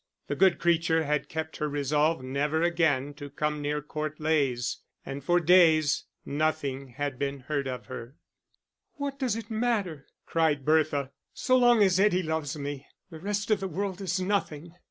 The good creature had kept her resolve never again to come near Court Leys, and for days nothing had been heard of her. "What does it matter?" cried Bertha. "So long as Eddie loves me, the rest of the world is nothing."